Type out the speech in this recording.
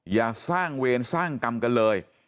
อย่าสร้างเวรสร้างกรรมกันเลย